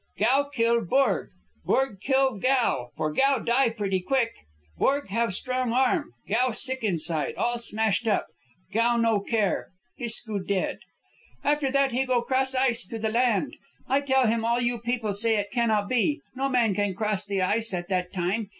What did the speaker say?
Gow kill Borg. Borg kill Gow, for Gow die pretty quick. Borg have strong arm. Gow sick inside, all smashed up. Gow no care; Pisk ku dead. "After that he go 'cross ice to the land. I tell him all you people say it cannot be; no man can cross the ice at that time.